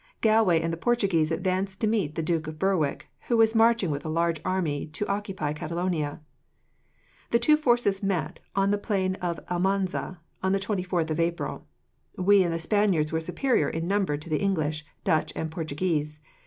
Galway and the Portuguese advanced to meet the Duke of Berwick, who was marching with a large army to occupy Catalonia. "The two forces met, on the plain of Almanza, on the 24th of April. We and the Spaniards were superior in number to the English, Dutch, and Portuguese.